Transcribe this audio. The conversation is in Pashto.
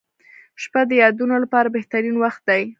• شپه د یادونو لپاره بهترین وخت دی.